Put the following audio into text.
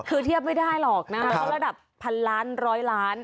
คือเทียบไม่ได้หรอกนะเพราะระดับพันล้านร้อยล้าน